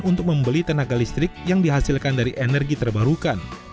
untuk membeli tenaga listrik yang dihasilkan dari energi terbarukan